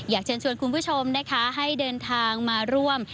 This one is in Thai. อยากเชิญชวนคุณผู้ชมนะคะให้เดินทางมาร่วม